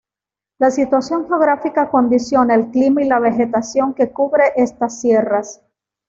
La situación geográfica condiciona el clima y la vegetación que cubre estas sierras.